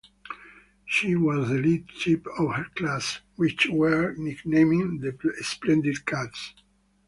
She was the lead ship of her class, which were nicknamed the "Splendid Cats".